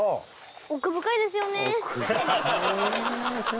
奥深いですよね。